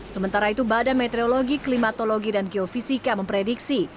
sementara itu badan meteorologi klimatologi dan geofisika memprediksi